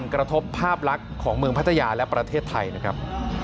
กระทบภาพลักษณ์ของเมืองพัทยาและประเทศไทยนะครับ